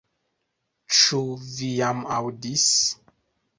Ĉu vi jam aŭdis?